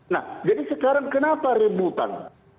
nah jadi sekarang kenapa rebutan